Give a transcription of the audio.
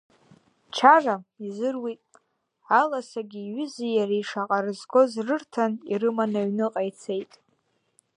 Чара изыруит, аласагьы иҩызеи иареи шаҟа рызгоз рырҭан ирыманы аҩныҟа ицеит.